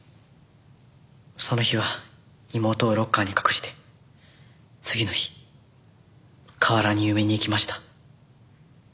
その日は妹をロッカーに隠して次の日河原に埋めに行きました。